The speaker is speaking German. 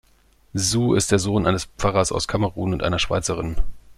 Su ist der Sohn eines Pfarrers aus Kamerun und einer Schweizerin.